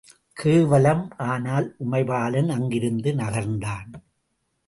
கேவலம்! ஆனால் உமைபாலன் அங்கிருந்து நகர்ந்தான்.